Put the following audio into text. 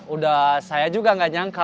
udah saya juga gak nyangka